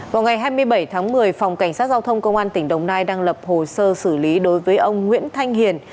vào ngày hai mươi bảy tháng một mươi phòng cảnh sát giao thông công an tỉnh đồng nai đang lập hồ sơ xử lý đối với ông nguyễn thanh hiền